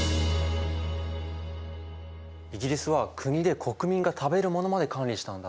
イギリスは国で国民が食べるものまで管理したんだ。